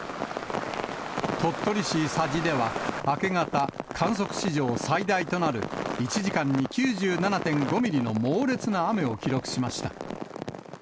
鳥取市佐治では、明け方、観測史上最大となる１時間に９７．５ミリの猛烈な雨を記録しました。